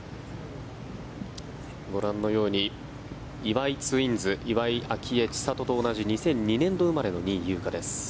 ご覧のように、岩井ツインズ岩井明愛、岩井千怜と同じ２００２年度生まれの仁井優花です。